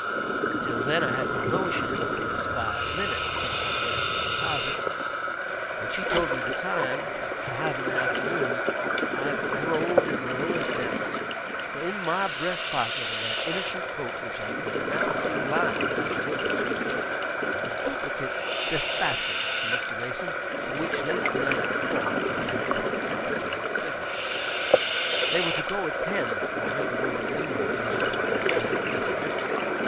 Till then I had no notion that it was five minutes since I went into the closet. When she told me the time, five in the afternoon, I groaned in the lowest depths. For, in my breast pocket in that innocent coat, which I could now see lying on the window seat, were the duplicate despatches to Mr. Mason, for which, late the night before, I had got the Secretary's signature. They were to go at ten that morning to Wilmington, by the Navy Department's special messenger.